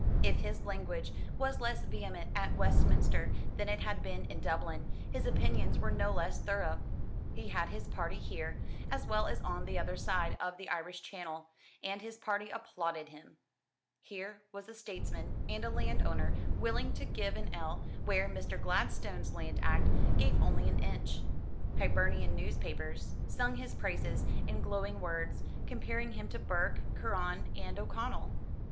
If his language was less vehement at Westminster than it had been in Dublin, his opinions were no less thorough. He had his party here, as well as on the other side of the Irish Channel; and his party applauded him. Here was a statesman and a landowner willing to give an ell, where Mr. Gladstone's Land Act gave only an inch. Hibernian newspapers sung his praises in glowing words, comparing him to Burke, Curran, and O'Connell.